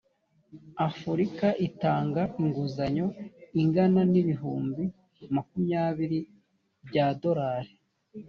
afurika itanga inguzanyo ingana na ibihumbi makumyabiri byadorari.